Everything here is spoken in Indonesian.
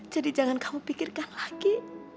jadi jangan kamu pikirkan lagi